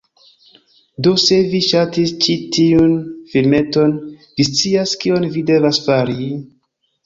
Do se vi ŝatis ĉi tiun filmeton, vi scias kion vi devas fari…